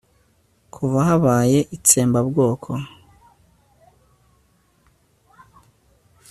kuva habaye itsemba bwoko